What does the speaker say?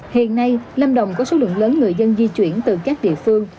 hiện nay lâm đồng có số lượng lớn người dân di chuyển từ các địa phương